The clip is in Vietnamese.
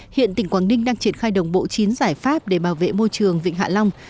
hiện tỉnh quảng ninh đang triển khai đồng bộ chín giải pháp để bảo vệ môi trường vịnh hạ long